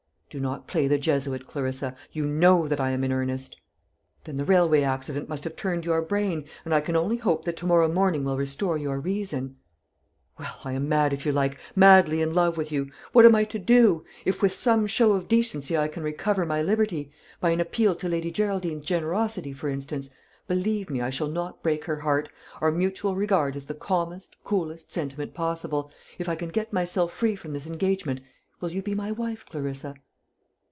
"Do not play the Jesuit, Clarissa. You know that I am in earnest." "Then the railway accident must have turned your brain, and I can only hope that to morrow morning will restore your reason." "Well, I am mad, if you like madly in love with you. What am I to do? If with some show of decency I can recover my liberty by an appeal to Lady Geraldine's generosity, for instance believe me, I shall not break her heart; our mutual regard is the calmest, coolest sentiment possible if I can get myself free from this engagement, will you be my wife, Clarissa?"